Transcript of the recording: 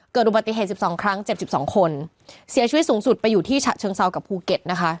เกิดอุบัติเหตุสิบสองครั้งเจ็บ๑๒คนเสียชีวิตสูงสุดไปอยู่ที่ฉะเชิงเซากับภูเก็ตนะคะ